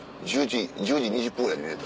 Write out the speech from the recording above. １０時２０分ぐらいに寝た。